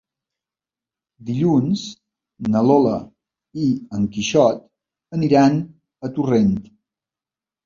Dilluns na Lola i en Quixot aniran a Torrent.